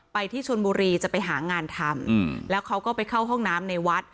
ที่ชนบุรีจะไปหางานทำแล้วเขาก็ไปเข้าห้องน้ำในวัด